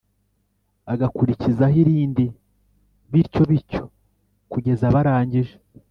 agakurikizaho irindi bityo bityo kugeza barangije